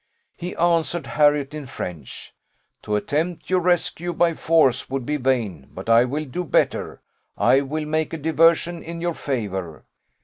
He answered Harriot in French 'To attempt your rescue by force would be vain; but I will do better, I will make a diversion in your favour.